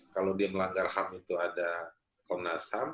kalau dia melanggar ham itu ada komnas ham